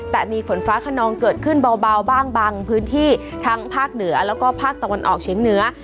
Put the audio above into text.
แต่มีฝนฟ้าขนองเกิดขึ้นเบาบ้างบางพื้นที่ทั้งภาคเหนือแล้วก็ภาคตะวันออกเฉียงเหนือ